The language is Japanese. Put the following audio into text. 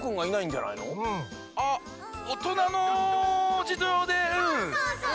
あっおとなのじじょうでうん。